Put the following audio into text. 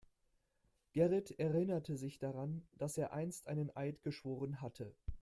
Gerrit erinnerte sich daran, dass er einst einen Eid geschworen hatte.